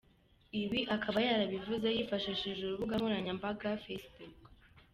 Ibi akaba yarabivuze yifashishije urubuga nkoranyambaga facebook.